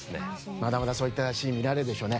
まだまだ、そういったシーンが見られるでしょうね。